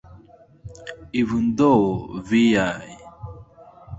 Even though Vi.